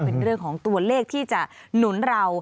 เป็นเรื่องของตัวเลขที่จะหนุนเรา